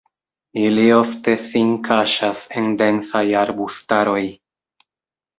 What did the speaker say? Ili ofte sin kaŝas en densaj arbustaroj.